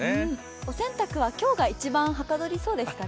お洗濯は今日が一番はかどりそうですかね。